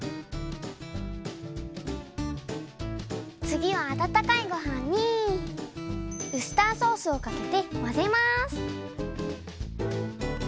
つぎはあたたかいごはんにウスターソースをかけてまぜます。